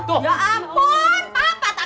papa tak kira kesempatan